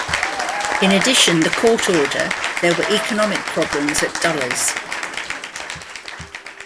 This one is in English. In addition the court order, there were economic problems at Dulles.